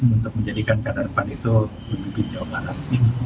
untuk menjadikan kehadirpan itu pemimpin jawa barat